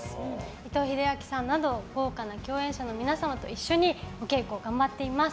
伊藤英明さんなど豪華な共演者の皆様と一緒にお稽古頑張っています。